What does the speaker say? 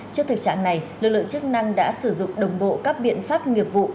trước thực trạng này lực lượng chức năng đã sử dụng đồng bộ các biện pháp nghiệp vụ